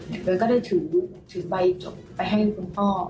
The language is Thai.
เดี๋ยวก็ได้ถือใบจบไปให้คุณพ่อ